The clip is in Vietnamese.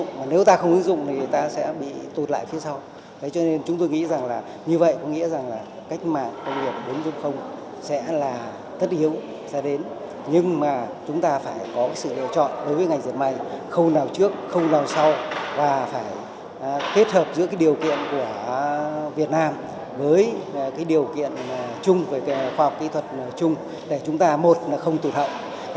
kết hợp giữa điều kiện của việt nam với điều kiện chung với khoa học kỹ thuật chung để chúng ta không tụt hậu